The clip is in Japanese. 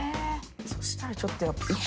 そしたらちょっとやっぱ。